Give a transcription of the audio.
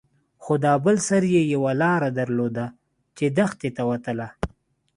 خو دا بل سر يې يوه لاره درلوده چې دښتې ته وتله.